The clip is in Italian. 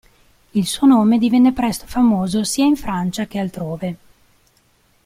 Il suo nome divenne presto famoso sia in Francia che altrove.